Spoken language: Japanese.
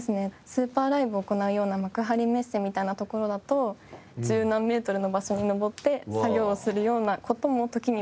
スーパーライブを行うような幕張メッセみたいな所だと十何メートルの場所に上って作業をするような事も時にはあります。